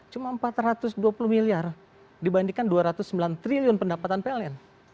cuma empat ratus dua puluh miliar dibandingkan dua ratus sembilan triliun pendapatan pln